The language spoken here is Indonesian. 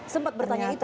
sempet bertanya itu